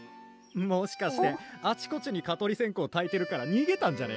もしかしてあちこちに蚊取りせんこうたいてるからにげたんじゃね？